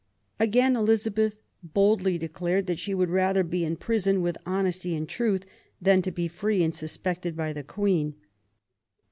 Again Elizabeth boldly declared that she would rather be in prison, with honesty and truth, than to be free and suspected by the Queen.